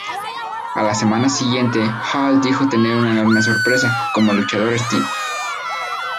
A la semana siguiente, Hall dijo tener una "enorme sorpresa" para el luchador Sting.